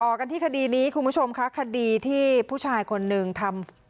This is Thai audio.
กันที่คดีนี้คุณผู้ชมค่ะคดีที่ผู้ชายคนหนึ่งทำ